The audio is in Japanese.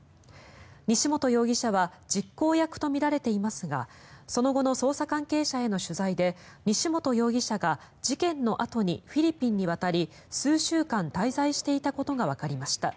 西本容疑者は実行役とみられていますがその後の捜査関係者への取材で西本容疑者が事件のあとにフィリピンに渡り数週間滞在していたことがわかりました。